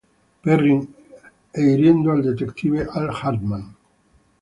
Perrin e hiriendo al detective Al Hartman.